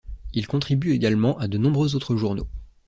Il contribue également à de nombreux autres journaux.